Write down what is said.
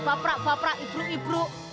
baprak baprak ibruk ibruk